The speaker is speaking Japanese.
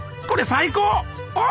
これ最高！